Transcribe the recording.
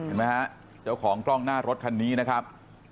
เห็นไหมฮะเจ้าของกล้องหน้ารถคันนี้นะครับ